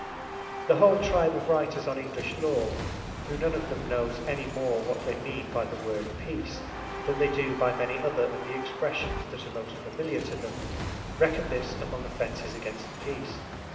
The whole tribe of writers on English law, who none of them knows any more what they mean by the word "peace" than they do by many other of the expressions that are most familiar to them, reckon this among offences against the peace.